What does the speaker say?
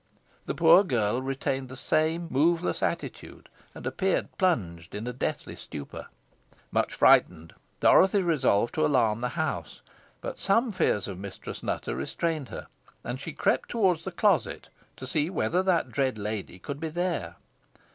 The poor girl retained the same moveless attitude, and appeared plunged in a deathly stupor. Much frightened, Dorothy resolved to alarm the house, but some fears of Mistress Nutter restrained her, and she crept towards the closet to see whether that dread lady could be there.